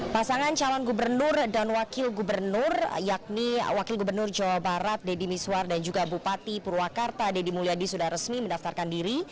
pasangan calon gubernur dan wakil gubernur yakni wakil gubernur jawa barat deddy miswar dan juga bupati purwakarta deddy mulyadi sudah resmi mendaftarkan diri